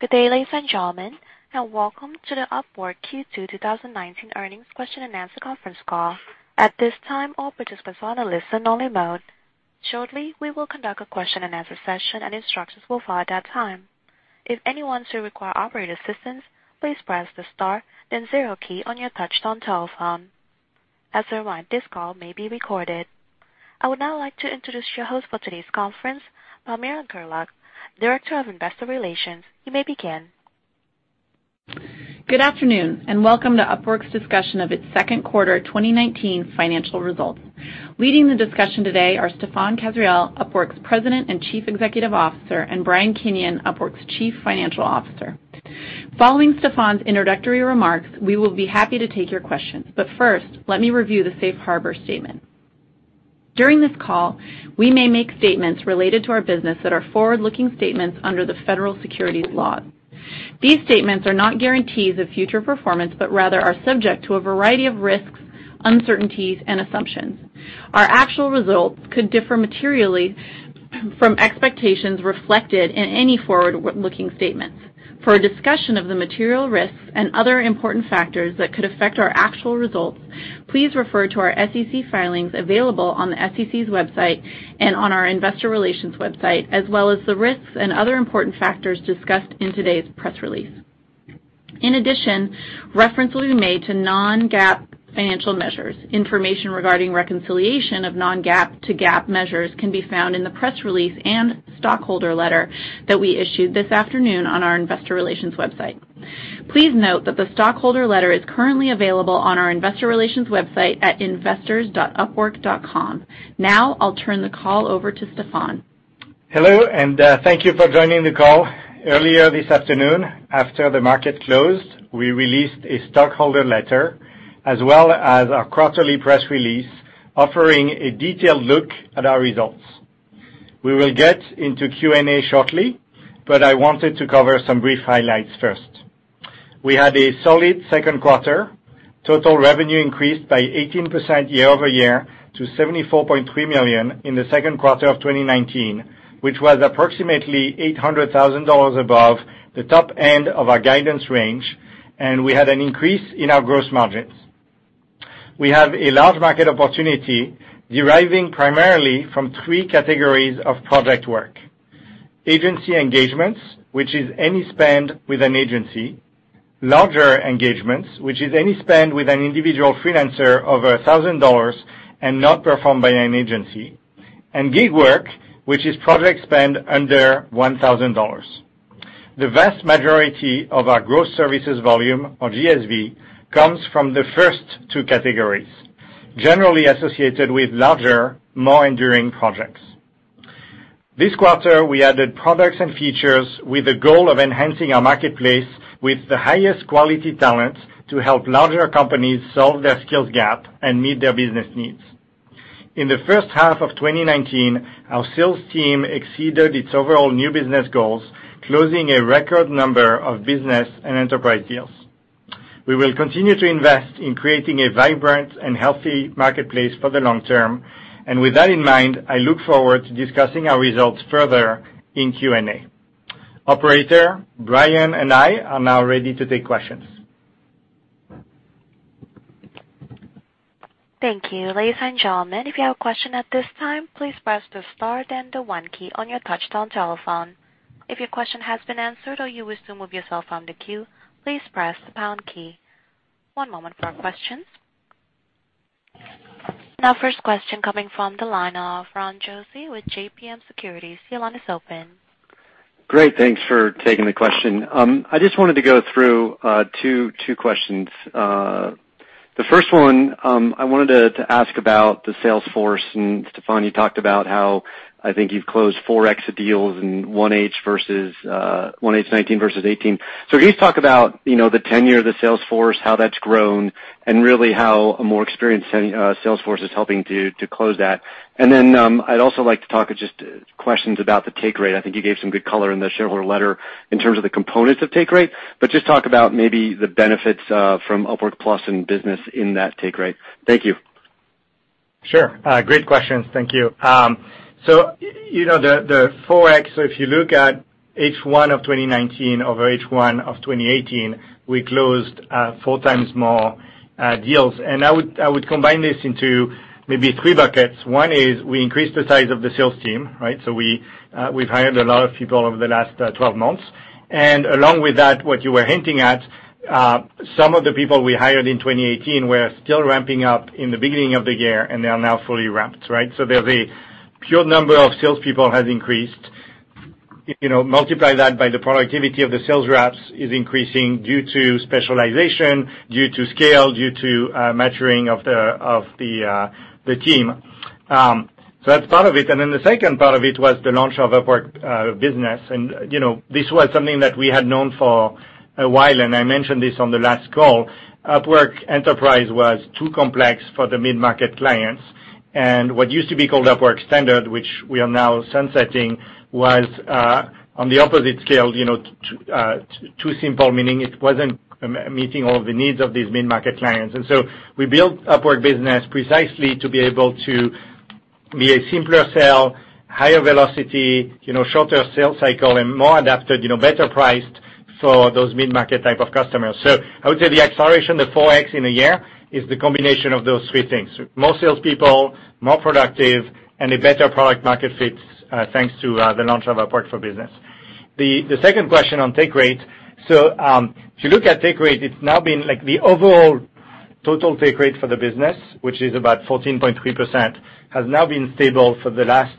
Good day, ladies and gentlemen, and welcome to the Upwork Q2 2019 earnings question and answer conference call. At this time, all participants are on a listen only mode. Shortly, we will conduct a question and answer session, and instructions will follow at that time. If anyone should require operator assistance, please press the star, then zero key on your touch-tone telephone. As a reminder, this call may be recorded. I would now like to introduce your host for today's conference, Palmela Kerl, Director of Investor Relations. You may begin. Good afternoon, and welcome to Upwork's discussion of its second quarter 2019 financial results. Leading the discussion today are Stephane Kasriel, Upwork's President and Chief Executive Officer, and Brian Kinion, Upwork's Chief Financial Officer. Following Stephane's introductory remarks, we will be happy to take your questions. First, let me review the safe harbor statement. During this call, we may make statements related to our business that are forward-looking statements under the federal securities laws. These statements are not guarantees of future performance, but rather are subject to a variety of risks, uncertainties, and assumptions. Our actual results could differ materially from expectations reflected in any forward-looking statements. For a discussion of the material risks and other important factors that could affect our actual results, please refer to our SEC filings available on the SEC's website and on our investor relations website, as well as the risks and other important factors discussed in today's press release. Reference will be made to non-GAAP financial measures. Information regarding reconciliation of non-GAAP to GAAP measures can be found in the press release and stockholder letter that we issued this afternoon on our investor relations website. Please note that the stockholder letter is currently available on our investor relations website at investors.upwork.com. I'll turn the call over to Stephane. Hello, and thank you for joining the call. Earlier this afternoon, after the market closed, we released a stockholder letter as well as our quarterly press release offering a detailed look at our results. We will get into Q&A shortly, but I wanted to cover some brief highlights first. We had a solid second quarter. Total revenue increased by 18% year-over-year to $74.3 million in the second quarter of 2019, which was approximately $800,000 above the top end of our guidance range, and we had an increase in our gross margins. We have a large market opportunity deriving primarily from three categories of project work. Agency engagements, which is any spend with an agency. Larger engagements, which is any spend with an individual freelancer over $1,000 and not performed by an agency. Gig work, which is project spend under $1,000. The vast majority of our gross services volume, or GSV, comes from the first two categories, generally associated with larger, more enduring projects. This quarter, we added products and features with the goal of enhancing our marketplace with the highest quality talent to help larger companies solve their skills gap and meet their business needs. In the first half of 2019, our sales team exceeded its overall new business goals, closing a record number of Business and Enterprise deals. We will continue to invest in creating a vibrant and healthy marketplace for the long term. With that in mind, I look forward to discussing our results further in Q&A. Operator, Brian and I are now ready to take questions. Thank you. Ladies and gentlemen, if you have a question at this time, please press the star then the one key on your touch-tone telephone. If your question has been answered or you wish to remove yourself from the queue, please press the pound key. One moment for our questions. Now first question coming from the line of Ron Josey with JMP Securities. Your line is open. Great. Thanks for taking the question. I just wanted to go through two questions. The first one, I wanted to ask about the sales force. Stephane, you talked about how I think you've closed 4x deals in 1H19 versus 2018. Can you just talk about the tenure of the sales force, how that's grown, and really how a more experienced sales force is helping to close that? Then, I'd also like to talk just questions about the take rate. I think you gave some good color in the shareholder letter in terms of the components of take rate. Just talk about maybe the benefits from Upwork Plus and Upwork Business in that take rate. Thank you. Sure. Great questions. Thank you. The 4x, if you look at H1 of 2019 over H1 of 2018, we closed four times more deals. I would combine this into maybe three buckets. One is we increased the size of the sales team, right? We've hired a lot of people over the last 12 months. Along with that, what you were hinting at, some of the people we hired in 2018 were still ramping up in the beginning of the year, and they are now fully ramped, right? The pure number of salespeople has increased. Multiply that by the productivity of the sales reps is increasing due to specialization, due to scale, due to maturing of the team. That's part of it. The second part of it was the launch of Upwork Business. This was something that we had known for a while, and I mentioned this on the last call. Upwork Enterprise was too complex for the mid-market clients. What used to be called Upwork Standard, which we are now sunsetting, was on the opposite scale, too simple, meaning it wasn't meeting all the needs of these mid-market clients. We built Upwork Business precisely to be able to be a simpler sell, higher velocity, shorter sales cycle, and more adapted, better priced for those mid-market type of customers. I would say the acceleration, the 4X in a year, is the combination of those three things. More salespeople, more productive, and a better product market fit, thanks to the launch of Upwork Business. The second question on take rate. If you look at take rate, the overall total take rate for the business, which is about 14.3%, has now been stable for the last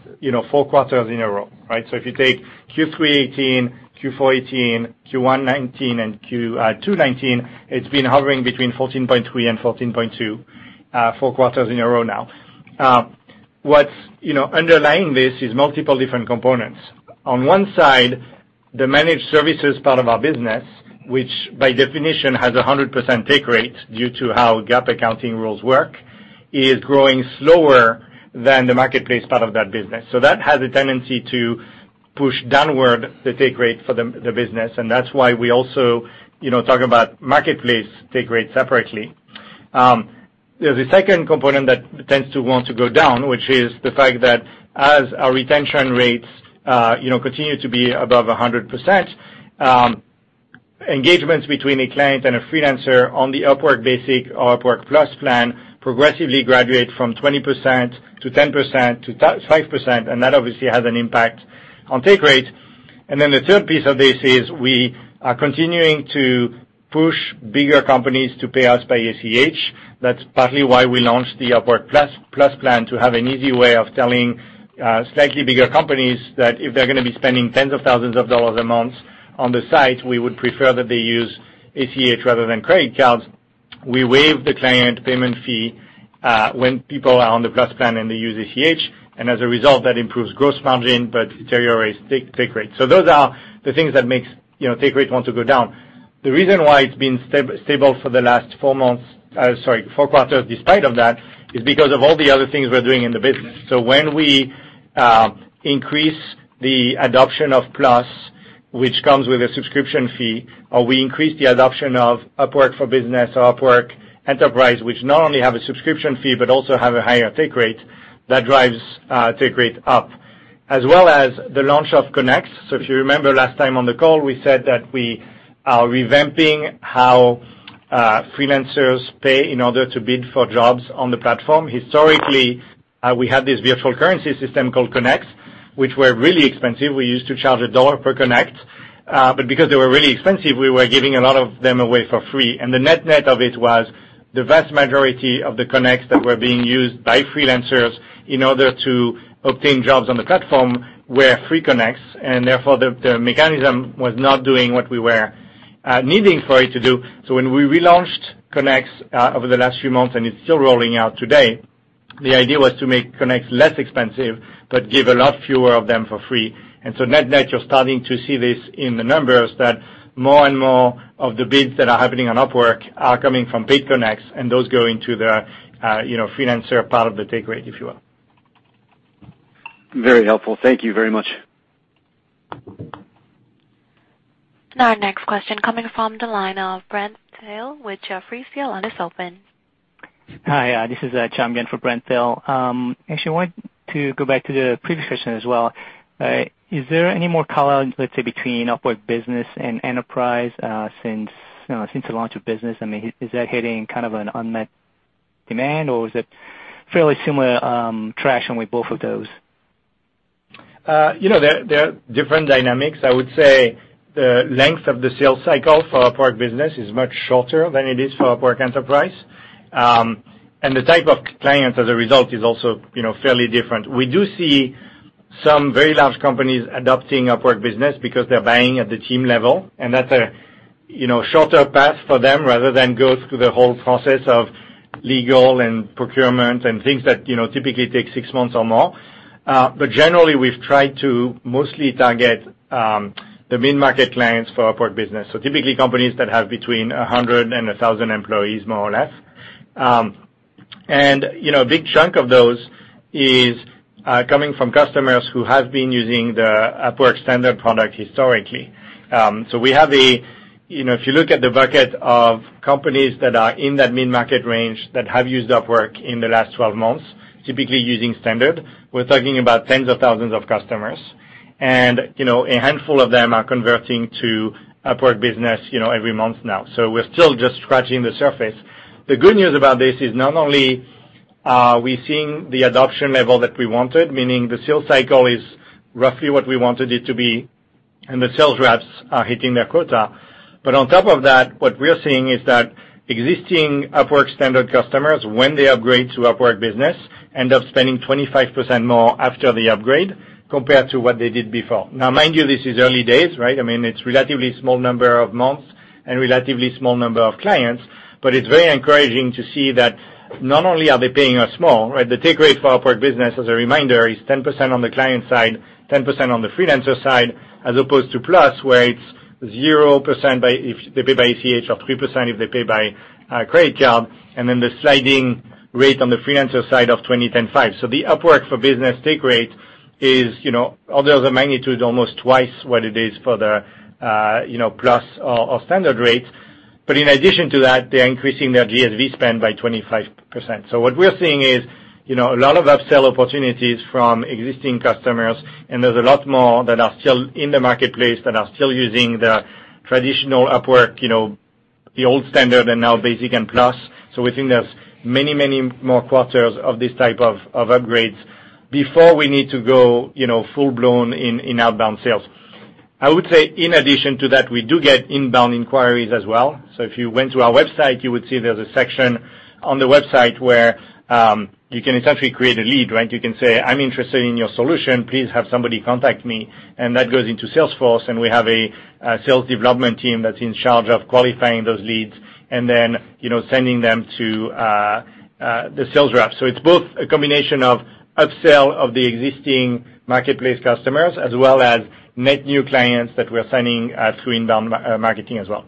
four quarters in a row, right? If you take Q3 2018, Q4 2018, Q1 2019, and Q2 2019, it's been hovering between 14.3 and 14.2 four quarters in a row now. What's underlying this is multiple different components. On one side, the managed services part of our business, which by definition has 100% take rate due to how GAAP accounting rules work, is growing slower than the marketplace part of that business. That has a tendency to push downward the take rate for the business, and that's why we also talk about marketplace take rate separately. The second component that tends to want to go down, which is the fact that as our retention rates continue to be above 100%, engagements between a client and a freelancer on the Upwork Basic or Upwork Plus plan progressively graduate from 20% to 10% to 5%, that obviously has an impact on take rate. The third piece of this is we are continuing to push bigger companies to pay us by ACH. That's partly why we launched the Upwork Plus plan to have an easy way of telling slightly bigger companies that if they're going to be spending tens of thousands of dollars a month on the site, we would prefer that they use ACH rather than credit cards. We waive the client payment fee when people are on the Plus plan and they use ACH. As a result, that improves gross margin, but deteriorates take rate. Those are the things that makes take rate want to go down. The reason why it's been stable for the last four quarters despite of that is because of all the other things we're doing in the business. When we increase the adoption of Upwork Plus, which comes with a subscription fee, or we increase the adoption of Upwork Business or Upwork Enterprise, which not only have a subscription fee but also have a higher take rate, that drives take rate up. As well as the launch of Connects. If you remember last time on the call, we said that we are revamping how freelancers pay in order to bid for jobs on the platform. Historically, we had this virtual currency system called Connects, which were really expensive. We used to charge $1 per Connects. Because they were really expensive, we were giving a lot of them away for free. The net of it was the vast majority of the Connects that were being used by freelancers in order to obtain jobs on the platform were free Connects, Therefore, the mechanism was not doing what we were needing for it to do. When we relaunched Connects over the last few months, It's still rolling out today, the idea was to make Connects less expensive but give a lot fewer of them for free. Net-net, you're starting to see this in the numbers, that more and more of the bids that are happening on Upwork are coming from paid Connects, Those go into the freelancer part of the take rate, if you will. Very helpful. Thank you very much. Our next question coming from the line of Brent Thill with Jefferies, your line is open. Hi, this is John Byun for Brent Thill. Actually wanted to go back to the previous question as well. Is there any more color, let's say, between Upwork Business and Upwork Enterprise since the launch of Business? I mean, is that hitting kind of an unmet demand, or is it fairly similar traction with both of those? There are different dynamics. I would say the length of the sales cycle for Upwork Business is much shorter than it is for Upwork Enterprise. The type of client as a result is also fairly different. We do see some very large companies adopting Upwork Business because they're buying at the team level, and that's a shorter path for them rather than go through the whole process of legal and procurement and things that typically take six months or more. Generally, we've tried to mostly target the mid-market clients for Upwork Business. Typically companies that have between 100 and 1,000 employees, more or less. A big chunk of those is coming from customers who have been using the Upwork Standard product historically. If you look at the bucket of companies that are in that mid-market range that have used Upwork in the last 12 months, typically using Upwork Standard, we're talking about tens of thousands of customers. A handful of them are converting to Upwork Business every month now. We're still just scratching the surface. The good news about this is not only are we seeing the adoption level that we wanted, meaning the sales cycle is roughly what we wanted it to be, and the sales reps are hitting their quota. On top of that, what we're seeing is that existing Upwork Standard customers, when they upgrade to Upwork Business, end up spending 25% more after the upgrade compared to what they did before. Mind you, this is early days. I mean, it's relatively small number of months and relatively small number of clients, but it's very encouraging to see that not only are they paying us more, right? The take rate for Upwork Business, as a reminder, is 10% on the client side, 10% on the freelancer side, as opposed to Upwork Plus, where it's 0% if they pay by ACH or 3% if they pay by credit card, and then the sliding rate on the freelancer side of 20/10/5. The Upwork for Business take rate is, although the magnitude almost twice what it is for the Upwork Plus or Upwork Standard rate. In addition to that, they're increasing their GSV spend by 25%. What we're seeing is a lot of upsell opportunities from existing customers, and there's a lot more that are still in the marketplace that are still using the traditional Upwork, the old Standard and now Basic and Plus. We think there's many more quarters of these type of upgrades before we need to go full-blown in outbound sales. I would say in addition to that, we do get inbound inquiries as well. If you went to our website, you would see there's a section on the website where you can essentially create a lead. You can say, "I'm interested in your solution. Please have somebody contact me." That goes into Salesforce, and we have a sales development team that's in charge of qualifying those leads and then sending them to the sales rep. It's both a combination of upsell of the existing marketplace customers as well as net new clients that we are signing through inbound marketing as well.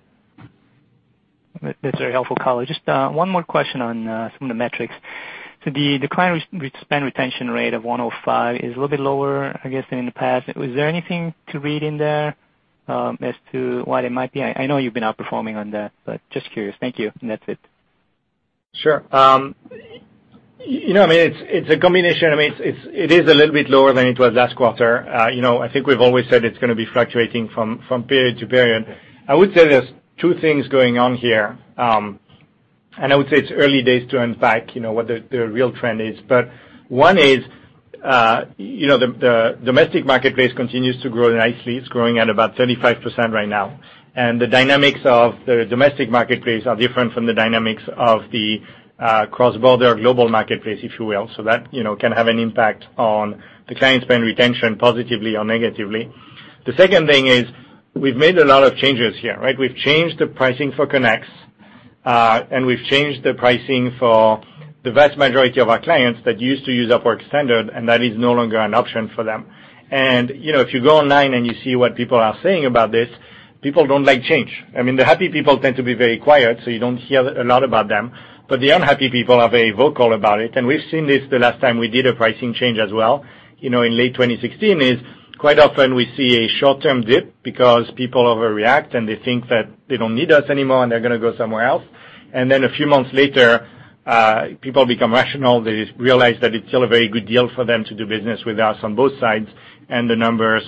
That's very helpful, color. Just one more question on some of the metrics. The client spend retention rate of 105 is a little bit lower, I guess, than in the past. Was there anything to read in there as to why they might be, I know you've been outperforming on that, but just curious? Thank you. That's it. Sure. It's a combination. It is a little bit lower than it was last quarter. I think we've always said it's going to be fluctuating from period to period. I would say there's two things going on here. I would say it's early days to unpack what their real trend is. One is the domestic marketplace continues to grow nicely. It's growing at about 35% right now. The dynamics of the domestic marketplace are different from the dynamics of the cross-border global marketplace, if you will. That can have an impact on the client spend retention positively or negatively. The second thing is we've made a lot of changes here. We've changed the pricing for Connects, and we've changed the pricing for the vast majority of our clients that used to use Upwork Standard, and that is no longer an option for them. If you go online and you see what people are saying about this, people don't like change. The happy people tend to be very quiet, so you don't hear a lot about them. The unhappy people are very vocal about it. We've seen this the last time we did a pricing change as well in late 2016, is quite often we see a short-term dip because people overreact, and they think that they don't need us anymore, and they're going to go somewhere else. A few months later, people become rational. They realize that it's still a very good deal for them to do business with us on both sides, and the numbers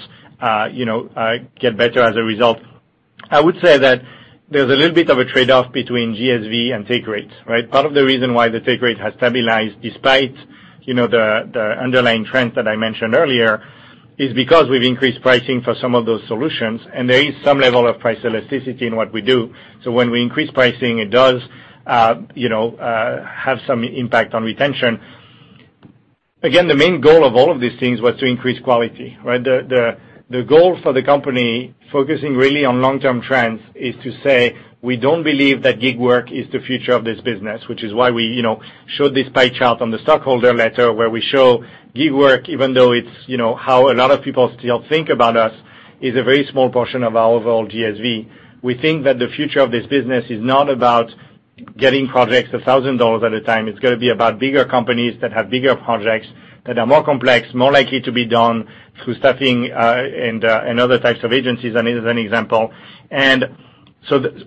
get better as a result. I would say that there's a little bit of a trade-off between GSV and take rates. Part of the reason why the take rate has stabilized despite the underlying trends that I mentioned earlier is because we've increased pricing for some of those solutions, and there is some level of price elasticity in what we do. When we increase pricing, it does have some impact on retention. Again, the main goal of all of these things was to increase quality. The goal for the company, focusing really on long-term trends, is to say we don't believe that gig work is the future of this business, which is why we showed this pie chart on the stockholder letter where we show gig work, even though it's how a lot of people still think about us, is a very small portion of our overall GSV. We think that the future of this business is not about getting projects for $1,000 at a time. It's going to be about bigger companies that have bigger projects that are more complex, more likely to be done through staffing and other types of agencies as an example.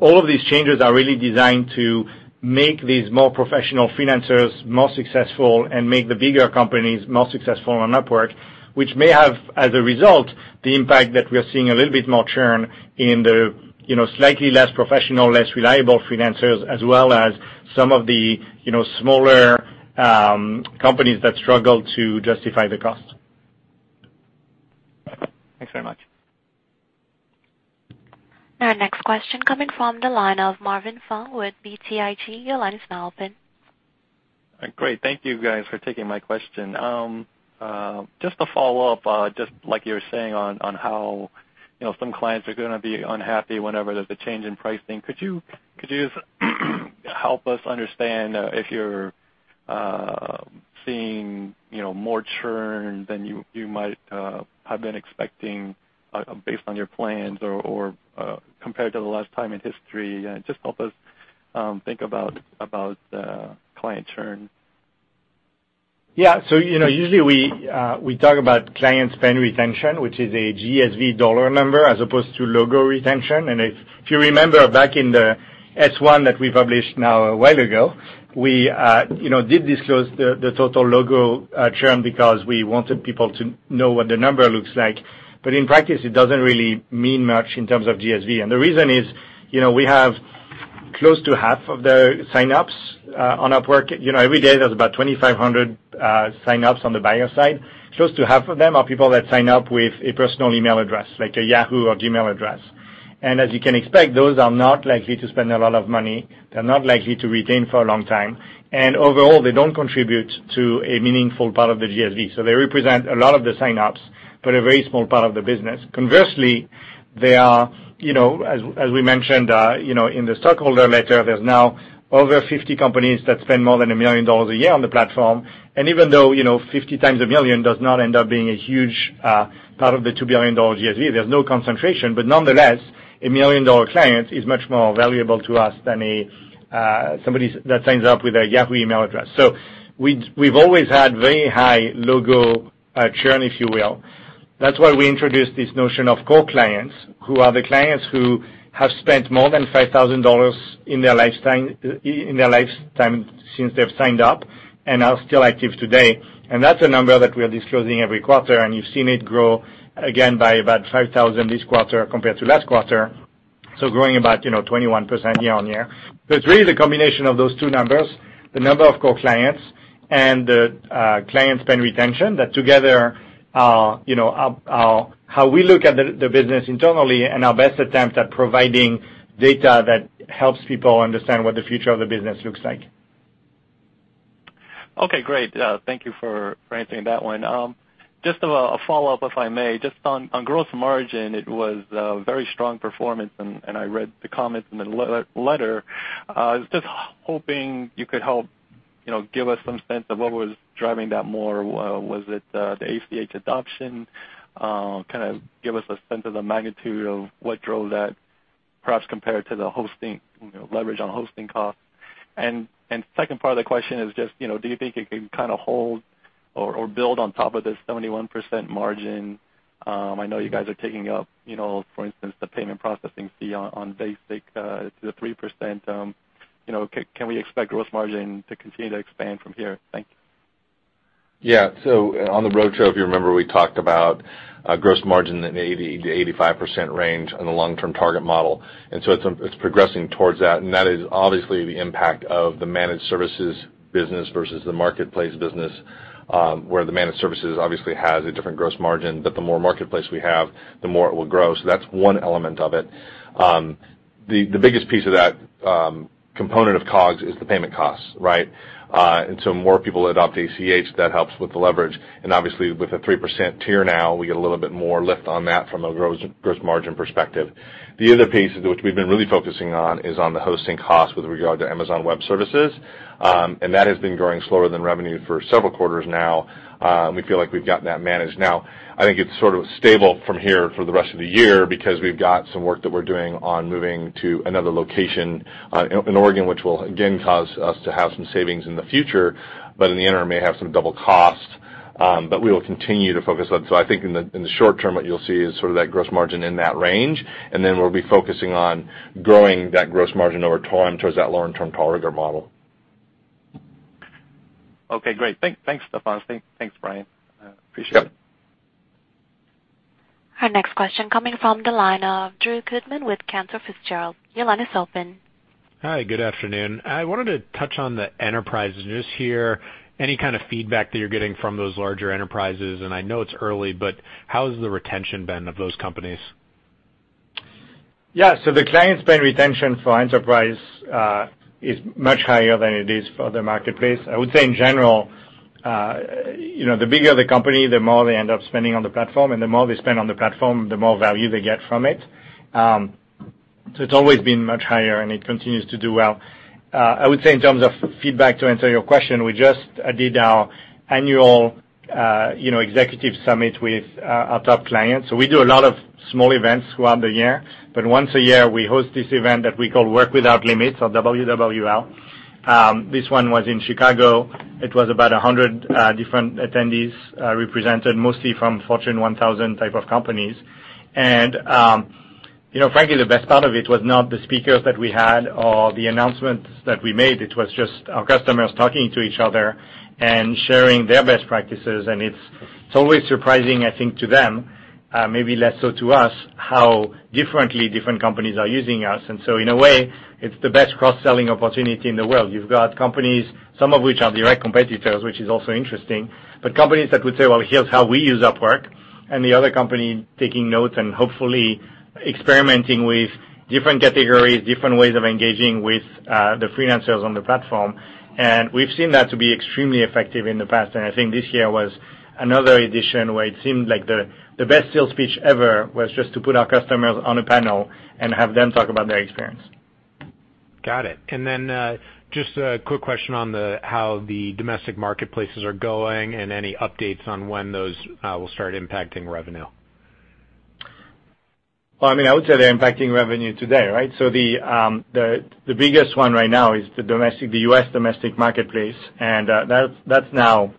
All of these changes are really designed to make these more professional freelancers more successful and make the bigger companies more successful on Upwork, which may have, as a result, the impact that we are seeing a little bit more churn in the slightly less professional, less reliable freelancers, as well as some of the smaller companies that struggle to justify the cost. Thanks very much. Our next question coming from the line of Marvin Fong with BTIG. Your line is now open. Great. Thank you guys for taking my question. Just to follow up, just like you were saying on how some clients are going to be unhappy whenever there's a change in pricing, could you just help us understand if you're seeing more churn than you might have been expecting based on your plans or compared to the last time in history? Just help us think about client churn. Yeah. Usually we talk about client spend retention, which is a GSV dollar number as opposed to logo retention. If you remember back in the S1 that we published now a while ago, we did disclose the total logo churn because we wanted people to know what the number looks like. In practice, it doesn't really mean much in terms of GSV. The reason is we have close to half of the sign-ups on Upwork. Every day, there's about 2,500 sign-ups on the buyer side. Close to half of them are people that sign up with a personal email address, like a Yahoo or Gmail address. As you can expect, those are not likely to spend a lot of money. They're not likely to retain for a long time. Overall, they don't contribute to a meaningful part of the GSV. They represent a lot of the sign-ups, but a very small part of the business. Conversely, as we mentioned in the stockholder letter, there's now over 50 companies that spend more than $1 million a year on the platform. Even though 50 times $1 million does not end up being a huge part of the $2 billion GSV, there's no concentration. Nonetheless, a $1 million client is much more valuable to us than somebody that signs up with a Yahoo email address. We've always had very high logo churn, if you will. That's why we introduced this notion of core clients, who are the clients who have spent more than $5,000 in their lifetime since they've signed up and are still active today. That's a number that we are disclosing every quarter, you've seen it grow again by about 5,000 this quarter compared to last quarter. Growing about 21% year-on-year. It's really the combination of those two numbers, the number of core clients and the client spend retention that together are how we look at the business internally and our best attempt at providing data that helps people understand what the future of the business looks like. Okay, great. Thank you for answering that one. Just a follow-up, if I may. Just on gross margin, it was a very strong performance, and I read the comments in the letter. I was just hoping you could help give us some sense of what was driving that more. Was it the ACH adoption? Kind of give us a sense of the magnitude of what drove that, perhaps compared to the leverage on hosting costs. Second part of the question is just, do you think it can kind of hold or build on top of this 71% margin? I know you guys are taking up, for instance, the payment processing fee on Basic to the 3%. Can we expect gross margin to continue to expand from here? Thank you. Yeah. On the roadshow, if you remember, we talked about gross margin in the 80%-85% range on the long-term target model. It's progressing towards that is obviously the impact of the managed services business versus the marketplace business, where the managed services obviously has a different gross margin, the more marketplace we have, the more it will grow. That's one element of it. The biggest piece of that component of COGS is the payment costs, right? More people adopt ACH, that helps with the leverage. Obviously, with the 3% tier now, we get a little bit more lift on that from a gross margin perspective. The other piece, which we've been really focusing on, is on the hosting cost with regard to Amazon Web Services. That has been growing slower than revenue for several quarters now. We feel like we've gotten that managed. I think it's sort of stable from here for the rest of the year because we've got some work that we're doing on moving to another location in Oregon, which will again cause us to have some savings in the future, but in the interim may have some double cost. We will continue to focus on. I think in the short term, what you'll see is sort of that gross margin in that range, and then we'll be focusing on growing that gross margin over time towards that long-term target model. Okay, great. Thanks, Stephane. Thanks, Brian. Appreciate it. Yep. Our next question coming from the line of Andrew Goodman with Cantor Fitzgerald. Your line is open. Hi, good afternoon. I wanted to touch on the enterprise just here. Any kind of feedback that you're getting from those larger enterprises, and I know it's early, but how has the retention been of those companies? The client spend retention for Upwork Enterprise is much higher than it is for the marketplace. I would say in general the bigger the company, the more they end up spending on the platform, and the more they spend on the platform, the more value they get from it. It's always been much higher, and it continues to do well. I would say in terms of feedback, to answer your question, we just did our annual executive summit with our top clients. We do a lot of small events throughout the year. Once a year, we host this event that we call Work Without Limits or WWL. This one was in Chicago. It was about 100 different attendees represented, mostly from Fortune 1000 type of companies. Frankly, the best part of it was not the speakers that we had or the announcements that we made. It was just our customers talking to each other and sharing their best practices. It's always surprising, I think, to them, maybe less so to us, how differently different companies are using us. In a way, it's the best cross-selling opportunity in the world. You've got companies, some of which are direct competitors, which is also interesting, but companies that would say, "Well, here's how we use Upwork," and the other company taking notes and hopefully experimenting with different categories, different ways of engaging with the freelancers on the platform. We've seen that to be extremely effective in the past, and I think this year was another edition where it seemed like the best sales pitch ever was just to put our customers on a panel and have them talk about their experience. Got it. Just a quick question on how the domestic marketplaces are going and any updates on when those will start impacting revenue? Well, I mean, I would say they're impacting revenue today, right? The biggest one right now is the U.S. domestic marketplace, and that's now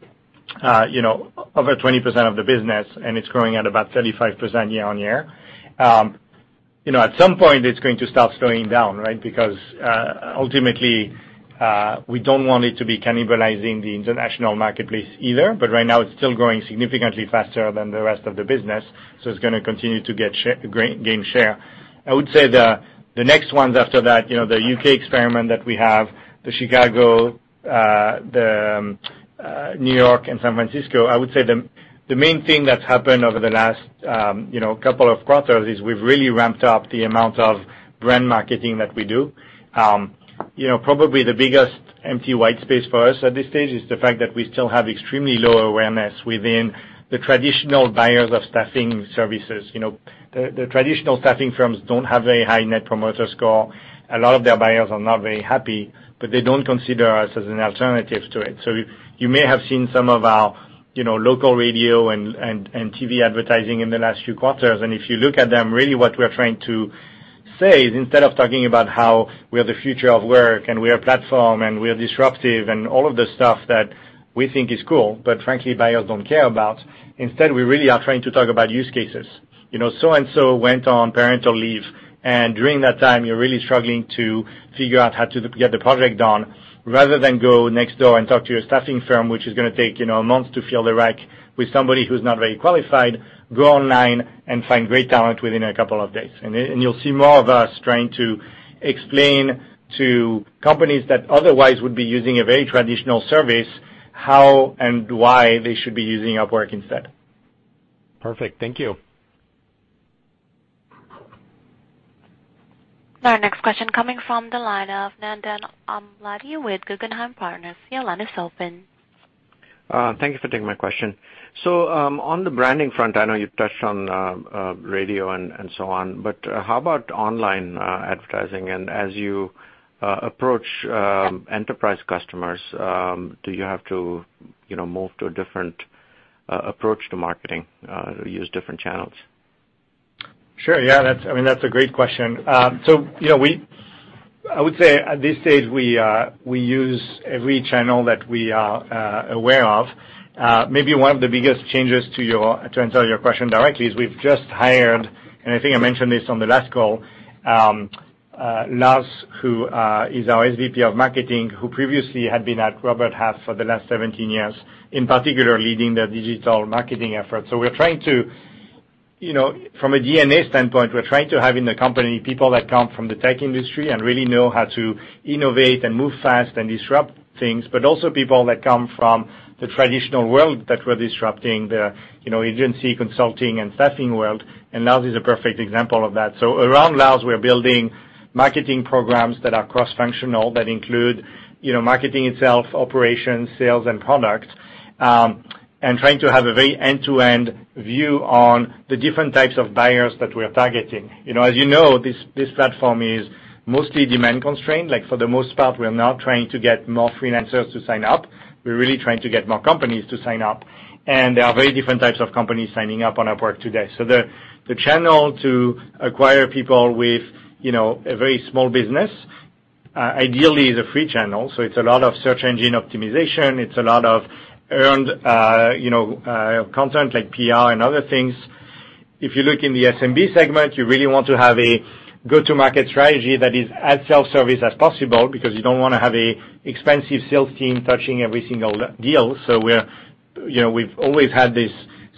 over 20% of the business, and it's growing at about 35% year-over-year. At some point, it's going to start slowing down, right? Ultimately, we don't want it to be cannibalizing the international marketplace either. Right now, it's still growing significantly faster than the rest of the business, it's going to continue to gain share. I would say the next ones after that, the U.K. experiment that we have, Chicago, New York, and San Francisco. I would say the main thing that's happened over the last couple of quarters is we've really ramped up the amount of brand marketing that we do. Probably the biggest empty white space for us at this stage is the fact that we still have extremely low awareness within the traditional buyers of staffing services. The traditional staffing firms don't have a very high net promoter score. A lot of their buyers are not very happy, but they don't consider us as an alternative to it. You may have seen some of our local radio and TV advertising in the last few quarters. If you look at them, really what we're trying to say, instead of talking about how we are the future of work and we are platform and we are disruptive and all of the stuff that we think is cool, but frankly, buyers don't care about, instead, we really are trying to talk about use cases. And so went on parental leave, and during that time, you're really struggling to figure out how to get the project done, rather than go next door and talk to your staffing firm, which is going to take a month to fill the req with somebody who's not very qualified, go online and find great talent within a couple of days. You'll see more of us trying to explain to companies that otherwise would be using a very traditional service how and why they should be using Upwork instead. Perfect. Thank you. Our next question coming from the line of Nandan Amladi with Guggenheim Partners. Your line is open. Thank you for taking my question. On the branding front, I know you touched on radio and so on, but how about online advertising? As you approach enterprise customers, do you have to move to a different approach to marketing, use different channels? Sure. Yeah, that's a great question. I would say at this stage, we use every channel that we are aware of. Maybe one of the biggest changes to answer your question directly is we've just hired, and I think I mentioned this on the last call, Lars, who is our SVP of Marketing, who previously had been at Robert Half for the last 17 years, in particular leading the digital marketing effort. From a DNA standpoint, we're trying to have in the company people that come from the tech industry and really know how to innovate and move fast and disrupt things, but also people that come from the traditional world that we're disrupting, the agency consulting and staffing world, and Lars is a perfect example of that. Around Lars, we're building marketing programs that are cross-functional, that include marketing itself, operations, sales, and product, and trying to have a very end-to-end view on the different types of buyers that we're targeting. As you know, this platform is mostly demand-constrained. Like for the most part, we're now trying to get more freelancers to sign up. We're really trying to get more companies to sign up, and there are very different types of companies signing up on Upwork today. The channel to acquire people with a very small business, ideally is a free channel. It's a lot of search engine optimization. It's a lot of earned content like PR and other things. If you look in the SMB segment, you really want to have a go-to-market strategy that is as self-service as possible because you don't want to have an expensive sales team touching every single deal. We've always had this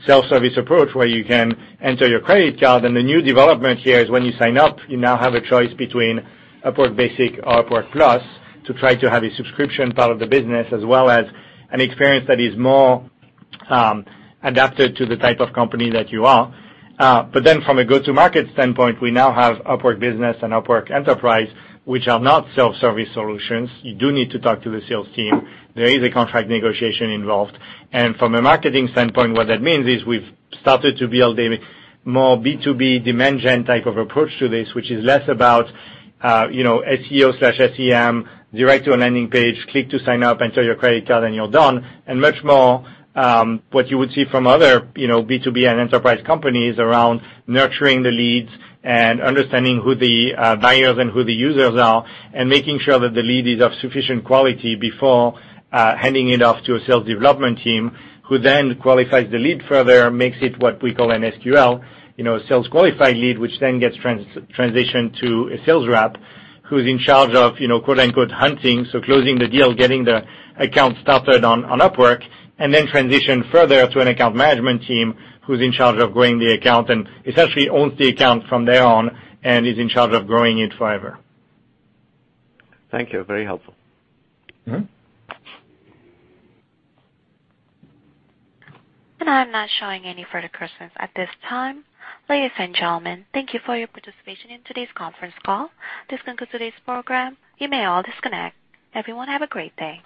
self-service approach where you can enter your credit card, and the new development here is when you sign up, you now have a choice between Upwork Basic or Upwork Plus to try to have a subscription part of the business, as well as an experience that is more adapted to the type of company that you are. From a go-to market standpoint, we now have Upwork Business and Upwork Enterprise, which are not self-service solutions. You do need to talk to the sales team. There is a contract negotiation involved. From a marketing standpoint, what that means is we've started to build a more B2B demand gen type of approach to this, which is less about SEO/SEM, direct to a landing page, click to sign up, enter your credit card, and you're done, and much more, what you would see from other B2B and enterprise companies around nurturing the leads and understanding who the buyers and who the users are, and making sure that the lead is of sufficient quality before handing it off to a sales development team who then qualifies the lead further, makes it what we call an SQL, a sales qualified lead, which then gets transitioned to a sales rep who's in charge of "hunting." Closing the deal, getting the account started on Upwork, and then transitioned further to an account management team who's in charge of growing the account and essentially owns the account from there on and is in charge of growing it forever. Thank you. Very helpful. I'm not showing any further questions at this time. Ladies and gentlemen, thank you for your participation in today's conference call. This concludes today's program. You may all disconnect. Everyone have a great day.